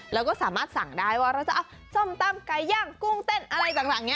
แล้วก็สามารถสั่งได้ว่าเราจะเอาส้มตำไก่ย่างกุ้งเต้นอะไรต่างนี้